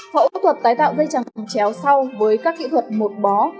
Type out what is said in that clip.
phẫu thuật tái tạo dây chẳng chéo sau với các kỹ thuật một bó